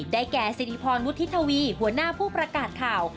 แก่สิริพรวุฒิทวีหัวหน้าผู้ประกาศข่าว